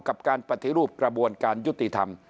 กับการปฏิรูปกระบวนการยุติธรรม